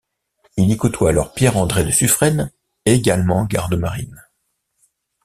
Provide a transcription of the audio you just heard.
Il y côtoie alors Pierre André de Suffren, également garde-marine.